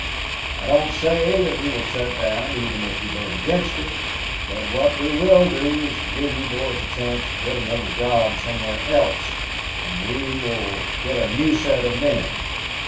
I don't say that we will shut down even if you vote against it, but what we will do is to give you boys a chance to get another job somewhere else and we will get a new set of men.